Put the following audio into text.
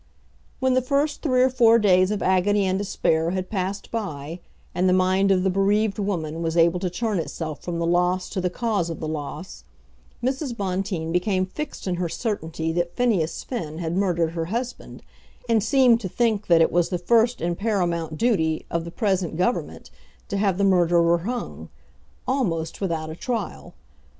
When the first three or four days of agony and despair had passed by, and the mind of the bereaved woman was able to turn itself from the loss to the cause of the loss, Mrs. Bonteen became fixed in her certainty that Phineas Finn had murdered her husband, and seemed to think that it was the first and paramount duty of the present Government to have the murderer hung, almost without a trial.